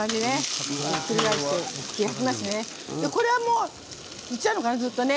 これは、もういっちゃうのかな、ずっとね。